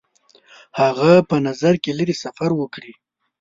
هغه په نظر کې لري سفر وکړي.